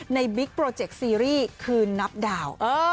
ในบิ๊กโปรเจคซีรีย์คืนนับดาว